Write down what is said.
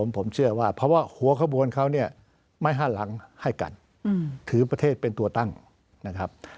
ผมเชื่อว่าเพราะว่าหัวขบวนเขาเนี่ยไม่ห้าหลังให้กันถือประเทศเป็นตัวตั้งนะครับ